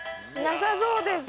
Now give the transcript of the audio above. なさそうです。